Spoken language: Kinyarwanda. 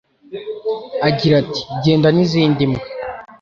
agira ati Genda n'izindi mbwa